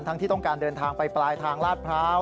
ที่ต้องการเดินทางไปปลายทางลาดพร้าว